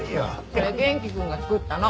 それ元気君が作ったの。